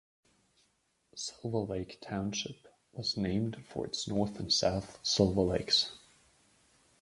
Silver Lake Township was named for its north and south Silver lakes.